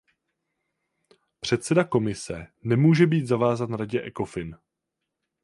Předseda Komise nemůže být zavázán Radě Ecofin.